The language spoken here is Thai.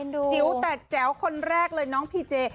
จิ๋วแต่แจ๋วคนแรกเลยน้องพีเจ